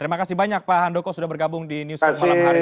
terima kasih banyak pak handoko sudah bergabung di newscast malam hari ini